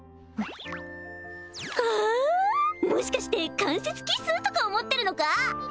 あもしかして間接キスとか思ってるのか？